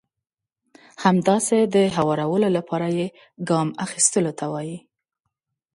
همداسې د هوارولو لپاره يې ګام اخيستلو ته وایي.